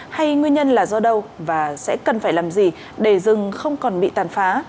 hay nguyên nhân là do đâu và sẽ cần phải làm gì để rừng không còn bị tàn phá